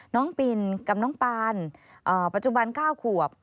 ปินกับน้องปานปัจจุบัน๙ขวบ